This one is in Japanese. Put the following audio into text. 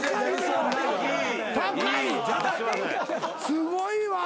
すごいわ。